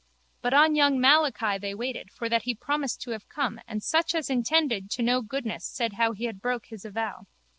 But on young Malachi they waited for that he promised to have come and such as intended to no goodness said how he had broke his avow.